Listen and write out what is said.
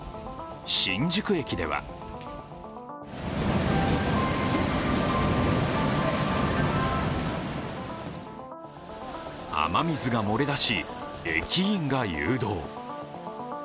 新宿駅では雨水が漏れ出し、駅員が誘導。